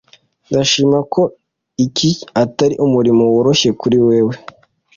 Ndashima ko iki atari umurimo woroshye kuri wewe.